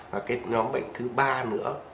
và cái nhóm bệnh thứ ba nữa